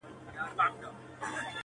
یوه خولگۍ خو مسته، راته جناب راکه,